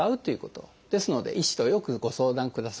ですので医師とよくご相談ください。